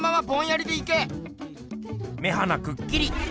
目鼻くっきり。